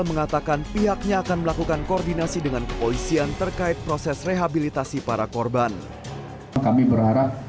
mengadukan koordinasi dengan kepolisian terkait proses rehabilitasi para korban kami berharap